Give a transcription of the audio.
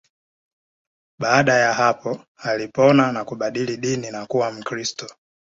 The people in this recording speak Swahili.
Baada ya hapo alipona na kubadili dini na kuwa Mkristo